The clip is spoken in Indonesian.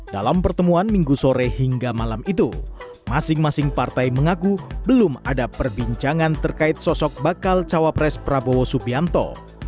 dalam pertemuan minggu sore hingga malam itu masing masing partai mengaku belum ada perbincangan terkait sosok bakal cawapres prabowo subianto